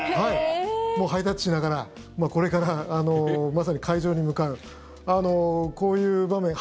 もう、ハイタッチしながらこれからまさに会場に向かうこういう場面。